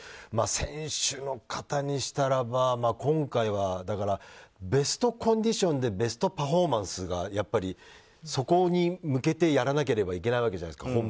選手の方にしたらば今回はベストコンディションでベストパフォーマンスに向けてやらなければいけないわけじゃないですか